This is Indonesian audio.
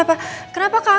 ada orang di depan